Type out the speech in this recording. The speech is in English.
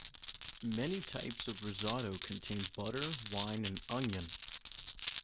Many types of risotto contain butter, wine, and onion.